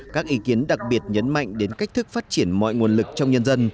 các ý kiến đặc biệt nhấn mạnh đến cách thức phát triển mọi nguồn lực trong nhân dân